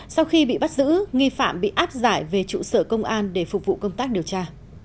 sau khi bị bắt giữ nghi phạm bị áp giải về trụ sở công an để phục vụ công tác điều tra